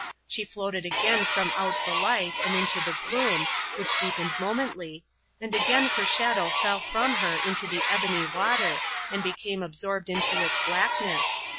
She floated again from out the light and into the gloom (which deepened momently) and again her shadow fell from her into the ebony water, and became absorbed into its blackness.